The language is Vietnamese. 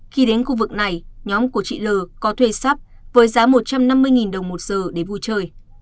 khi đến khu vực này nhóm của chị l có thuê sắp với giá một trăm năm mươi đồng một giờ để vui chơi